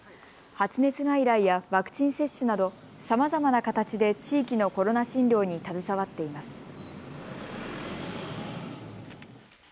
発熱外来やワクチン接種などさまざまな形で地域のコロナ診療に携わっています。